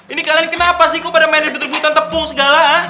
ini kalian kenapa sih kok pada mainnya betul betul tepung segala